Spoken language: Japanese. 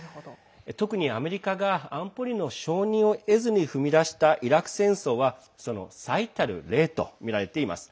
特にアメリカが安保理の承認を得ずに踏み出したイラク戦争はその最たる例とみられています。